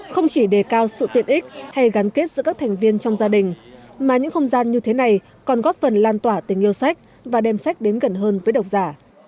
không chỉ đề cao sự tiện ích hay gắn kết giữa các thành viên trong gia đình mà những không gian như thế này còn góp phần lan tỏa tình yêu sách và đem sách đến gần hơn với độc giả